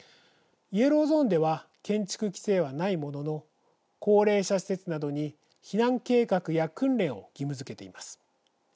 イエローゾーンでは建築規制はないものの高齢者施設などに避難計画や訓練を義務づけています。